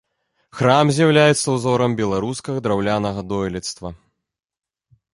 Храм з'яўляецца ўзорам беларускага драўлянага дойлідства.